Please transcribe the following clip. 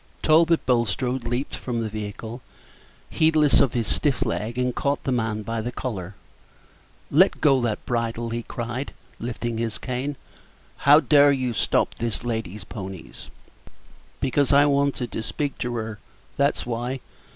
Talbot Bulstrode leaped from the vehicle, heedless of his stiff leg, and caught the man by the collar. "Let go that bridle!" he cried, lifting his cane; "how dare you stop this lady's ponies?" "Because I wanted to speak to her, that's why.